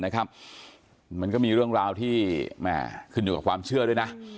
มันก็มีเรื่องราวที่ขึ้นอยู่กับความเชื่อด้วยนะ